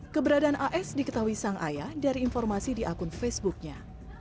keberadaan as diketahui sang ayah dari informasi di akun facebooknya